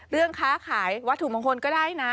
เรื่องค้าขายวัตถุมงคลก็ได้นะ